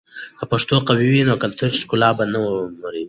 که پښتو قوي وي، نو کلتوري ښکلا به ونه مري.